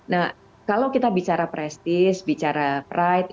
nah kalau kita bicara prestis bicara pride